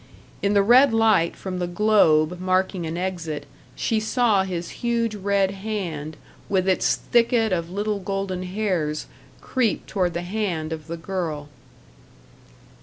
In the red light from the globe marking an exit she saw his huge red hand, with its thicket of little golden hairs, creep toward the hand of the girl.